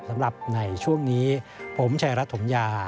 สำหรับในช่วงนี้ผมชายรัฐถมยา